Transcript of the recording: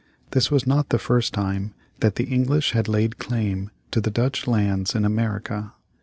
This was not the first time that the English had laid claim to the Dutch lands in America.